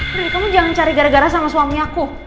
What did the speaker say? eh kamu jangan cari gara gara sama suami aku